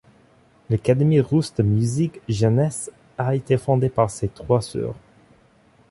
L’Académie russe de musique Gnessine a été fondée par ses trois sœurs.